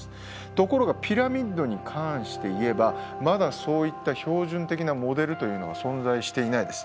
ところがピラミッドに関して言えばまだそういった標準的なモデルというのが存在していないです。